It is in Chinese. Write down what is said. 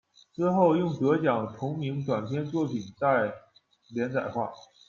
之后用得奖同名短篇作品在《》连载化。